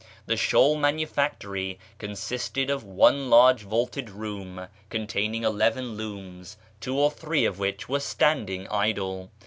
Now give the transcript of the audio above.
The shawl manufactory consisted of one large vaulted room containing eleven looms, two or three of which were standing idle.